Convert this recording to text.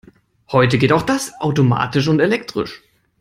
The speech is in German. Heute geht auch das automatisch und elektrisch.